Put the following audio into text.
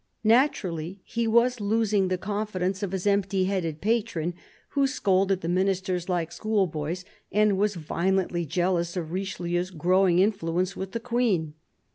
Naturally he was losing the confidence of his empty headed patron, who scolded the Ministers Hke schoolboys and was violently jealous of Richelieu's growing influence with the Queen.